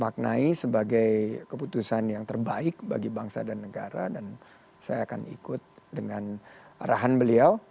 maknai sebagai keputusan yang terbaik bagi bangsa dan negara dan saya akan ikut dengan arahan beliau